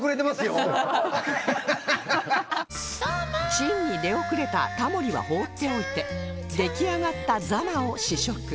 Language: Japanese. チンに出遅れたタモリは放っておいて出来上がったザマを試食